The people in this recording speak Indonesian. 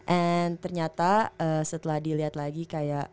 and ternyata setelah dilihat lagi kayak